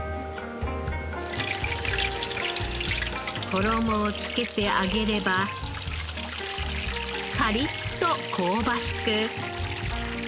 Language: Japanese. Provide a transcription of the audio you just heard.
衣をつけて揚げればカリッと香ばしく。